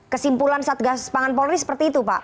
kesimpulan satgas pangan polri seperti itu pak